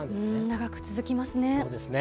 長く続きますね。